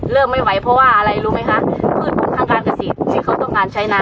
เริ่มไม่ไหวเพราะว่าอะไรรู้ไหมคะพืชทางการกระสิทธิ์ที่เขาต้องการใช้น้ำ